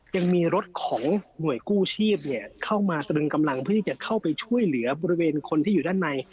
ยังมีรถของหน่วยกู้ชีพเข้ามาตรึงกำลังเพื่อที่จะเข้าไปช่วยเหลือบริเวณคนที่อยู่ด้านใน